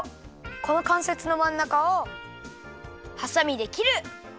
このかんせつのまんなかをはさみできる！